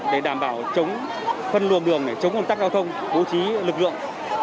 để đảm bảo chống phân luồng đường chống công tác giao thông bố trí lực lượng